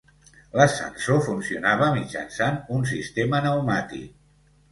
L'ascensor funcionava mitjançant un sistema pneumàtic.